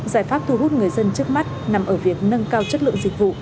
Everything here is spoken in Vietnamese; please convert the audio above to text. giải pháp thu hút người dân trước mắt nằm ở việc nâng cao chất lượng dịch vụ